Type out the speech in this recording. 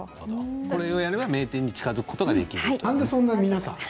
これをやれば名店に近づくことができる。